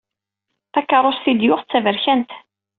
Takeṛṛust i d-yuɣ d taberkant.